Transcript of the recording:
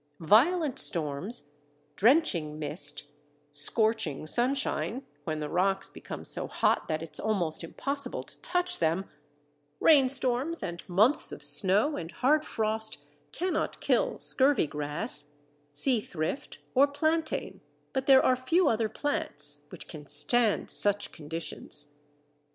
Violent storms, drenching mist, scorching sunshine (when the rocks become so hot that it is almost impossible to touch them), rainstorms and months of snow and hard frost, cannot kill Scurvy grass, Seathrift, or Plantain, but there are few other plants which can stand such conditions.